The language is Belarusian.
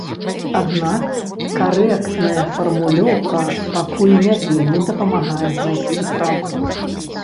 Аднак карэктная фармулёўка пакуль не вельмі дапамагае знайсці працу.